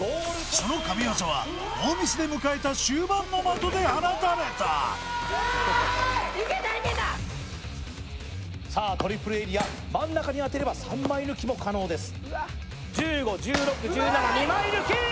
その神業はノーミスで迎えた終盤の的で放たれたさあトリプルエリア真ん中に当てれば３枚抜きも可能です１５１６１７２枚抜き！